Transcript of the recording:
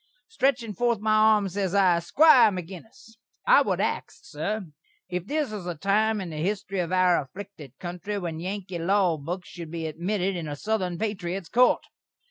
Stretchin' forth my arms, ses I: "Squire Maginnis, I would ax, sur, if this is a time in the histry of our afflikted kountry when Yankee law books should be admitted in a Southern patriot's Court?